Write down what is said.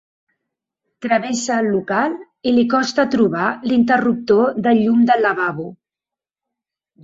Travessa el local i li costa trobar l'interruptor del llum del lavabo.